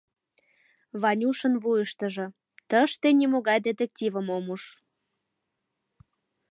Ванюшын вуйыштыжо: «Тыште нимогай детективым ом уж.